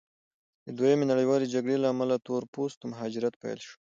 د دویمې نړیوالې جګړې له امله د تور پوستو مهاجرت پیل شو.